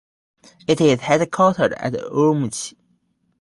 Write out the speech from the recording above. It is headquartered at Urumqi.